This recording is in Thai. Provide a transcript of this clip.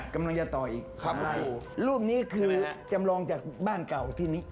กำลังจะต่ออีกทำอะไรรูปนี้คือจำลองจากบ้านเก่าที่นี้